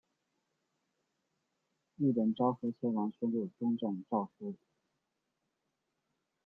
日本昭和天皇宣布终战诏书。